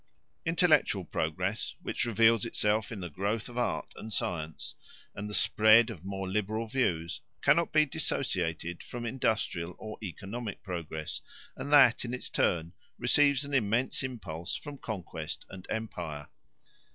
Intellectual progress, which reveals itself in the growth of art and science and the spread of more liberal views, cannot be dissociated from industrial or economic progress, and that in its turn receives an immense impulse from conquest and empire.